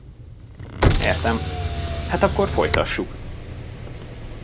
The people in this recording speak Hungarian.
Értem, hát akkor folytassuk!